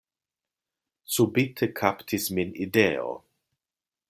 Subite kaptis min ideo.